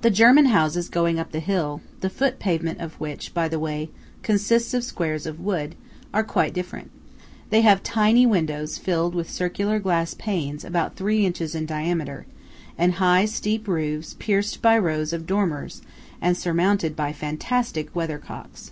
The German houses going up the hill–the foot pavement of which, by the way, consists of squares of wood–are quite different. They have tiny windows filled with circular glass panes about three inches in diameter, and high steep roofs pierced by rows of dormers and surmounted by fantastic weather cocks.